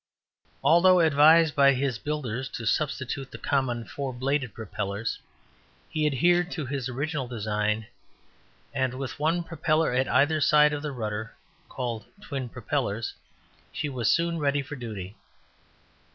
Although advised by his builders to substitute the common four bladed propellers, he adhered to his original design, and with one propeller at either side of the rudder called "twin propellers" she was soon ready for duty.